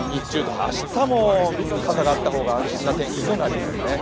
明日も傘があった方が安心な天気となりますね。